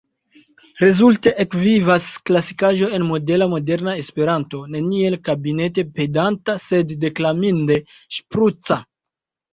Rezulte: ekvivas klasikaĵo en modela, moderna Esperanto – neniel kabinete pedanta sed deklaminde ŝpruca.